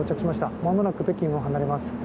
まもなく北京を離れます。